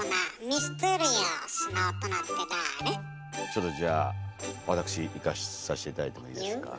ちょっとじゃあわたくしいかさせて頂いてもいいですか？